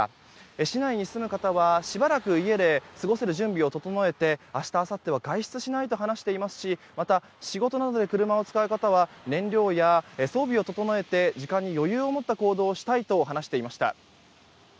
市内に住む方はしばらく家で過ごせる準備を整えて、明日あさっては外出しないと話していますしまた、仕事などで車を使う方は燃料や装備を整えて時間に余裕を持った行動をしたいと話していました。